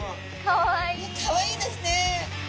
ねっかわいいですね。